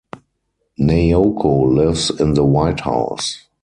Naoko lives in the white house.